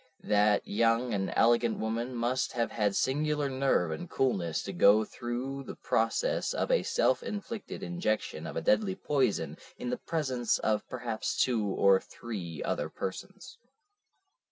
That young and elegant woman must have had singular nerve and coolness to go through the process of a self inflicted injection of a deadly poison in the presence of perhaps two or three other persons.